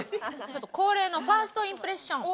恒例のファーストインプレッション。